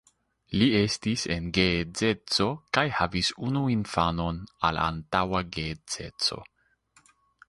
Li estis en geedzeco kaj havis unu infanon al antaŭa geedzeco.